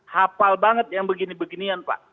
hafal banget yang begini beginian pak